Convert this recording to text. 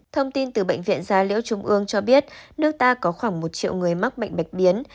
thông tin từ bệnh viện gia liễu trung ương cho biết nước ta có khoảng một triệu người mắc bệnh bạch biến